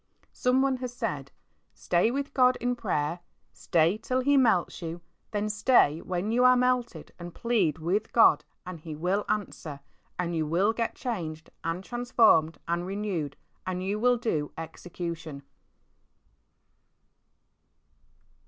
Someone has said, "Stay with God in prayer, stay till He melts you, and then stay when you are melted and plead with God, and He will answer, and you will get changed and transformed and renewed, and you will do execution."